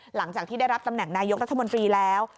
หลังจากที่ได้รับตำแหน่งนายกรัฐมนตรีแล้ว